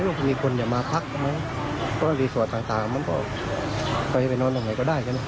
คือเนมคลิตสวนนก